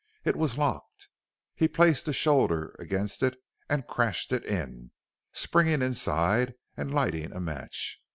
It was locked. He placed a shoulder against it and crashed it in, springing inside and lighting a match.